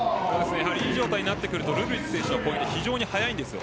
いい状態になってくるとルブリッチ選手の攻撃非常に速いんです。